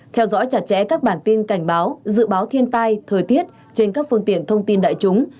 theo dõi chặt chẽ các bản tin cảnh báo dự báo thiên tai thời tiết trên các phương tiện thông tin đại chúng